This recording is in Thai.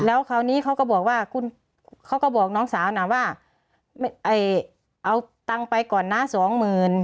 แล้วคราวนี้เขาก็บอกว่าคุณเขาก็บอกน้องสาวนะว่าเอาตังค์ไปก่อนนะสองหมื่น